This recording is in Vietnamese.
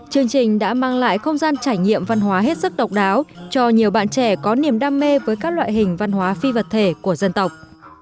chương trình đã mang lại không gian trải nghiệm văn hóa hết sức độc đáo cho nhiều bạn trẻ có niềm đam mê với các loại hình văn hóa phi vật thể của dân tộc